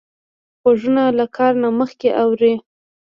غوږونه له کار نه مخکې اوري